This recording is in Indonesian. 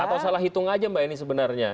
atau salah hitung aja mbak ini sebenarnya